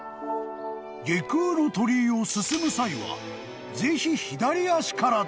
［外宮の鳥居を進む際はぜひ左足からで］